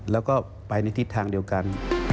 แล้วก็ไปในทิศทางเดียวกัน